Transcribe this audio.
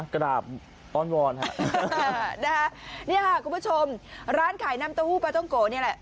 กราบอ้อนวอนฮะนะคะเนี่ยค่ะคุณผู้ชมร้านขายน้ำเต้าหู้ปลาต้องโกะนี่แหละ